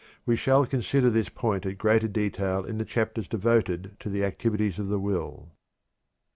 We shall consider this point at greater detail in the chapters devoted to the activities of the will.